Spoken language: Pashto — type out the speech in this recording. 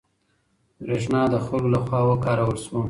برېښنا د خلکو له خوا وکارول شوه.